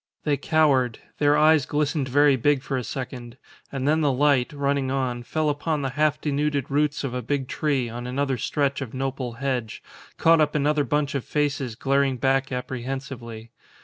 They cowered; their eyes glistened very big for a second; and then the light, running on, fell upon the half denuded roots of a big tree, on another stretch of nopal hedge, caught up another bunch of faces glaring back apprehensively.